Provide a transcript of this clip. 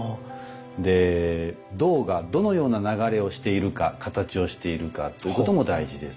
で胴がどのような流れをしているか形をしているかということも大事です。